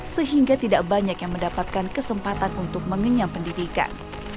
sehingga tidak banyak yang mendapatkan kesempatan untuk mengenyam pendidikan